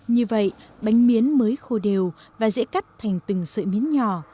như vậy bánh miến mới khô đều và dễ cắt thành từng sợi miến nhỏ